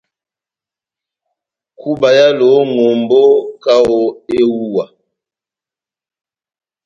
Kúba éhálovi ó ŋʼhombó kaho kaho ehuwa .